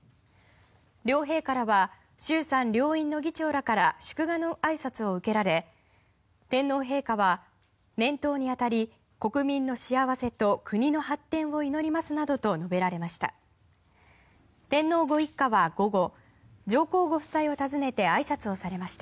両陛下らは衆参両院の議長らから祝賀のあいさつを受けられ天皇陛下は年頭に当たり、国民の幸せと国の発展を祈りますなどと述べられました。